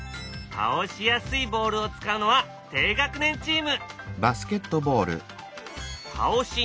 倒しにくいボールを使うのは高学年チーム！